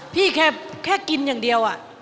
พี่แค่กินอย่างเดียวอ่ะ